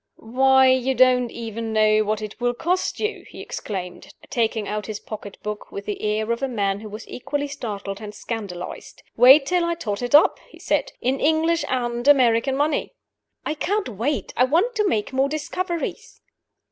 "Why, you don't even know what it will cost you!" he exclaimed, taking out his pocket book with the air of a man who was equally startled and scandalized. "Wait till I tot it up," he said, "in English and American money." "I can't wait! I want to make more discoveries!"